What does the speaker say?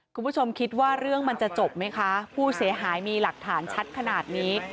คุณผู้ชมคิดว่าเรื่องมันจะจบไหมคะผู้เสียหายมีหลักฐานชัดขนาดนี้